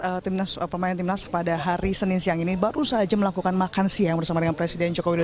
timnas pemain timnas pada hari senin siang ini baru saja melakukan makan siang bersama dengan presiden joko widodo